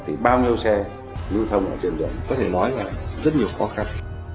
thì bao nhiêu xe lưu thông ở trên đường có thể nói là rất nhiều khó khăn